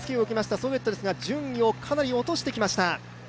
ソゲットですが、順位をかなり落としてきました。